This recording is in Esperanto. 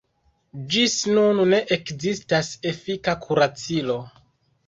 Ĝis nun ne ekzistas efika kuracilo.